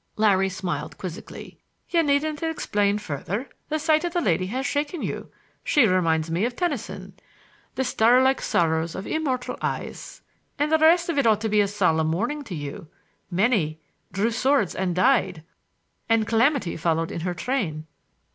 Larry smiled quizzically. "You needn't explain further. The sight of the lady has shaken you. She reminds me of Tennyson: " 'The star like sorrows of immortal eyes—' and the rest of it ought to be a solemn warning to you, —many 'drew swords and died,' and calamity followed in her train.